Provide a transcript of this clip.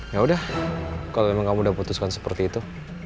yaudah kalau emang kamu udah putuskan seperti itu